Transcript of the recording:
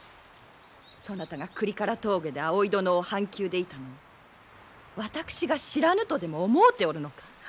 そなたが倶利伽羅峠で葵殿を半弓で射たのを私が知らぬとでも思うておるのか。